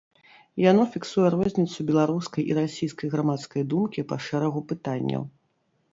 Яно фіксуе розніцу беларускай і расійскай грамадскай думкі па шэрагу пытанняў.